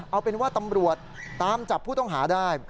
เอาเป็นว่าตำรวจตามจับผู้ต้องหาได้